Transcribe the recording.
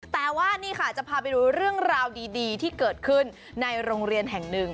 แต่ว่านี่ค่ะจะพาไปดูเรื่องราวดีที่เกิดขึ้นในโรงเรียนแห่งหนึ่ง